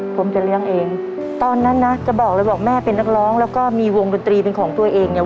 ผมจะเลี้ยงเองตอนนั้นนะจะบอกเลยบอกแม่เป็นนักร้องแล้วก็มีวงดนตรีเป็นของตัวเองเนี่ย